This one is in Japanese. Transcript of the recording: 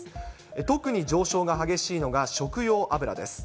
特に上昇が激しいのが食用油です。